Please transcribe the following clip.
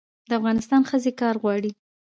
د افغانستان ښځې کار غواړي